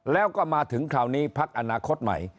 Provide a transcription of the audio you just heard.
แล้วก็มาถึงคราวนี้พักอนาคตใหม่